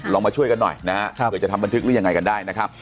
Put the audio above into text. มาช่วยกันหน่อยนะครับเผื่อจะทำบันทึกหรือยังไงกันได้นะครับ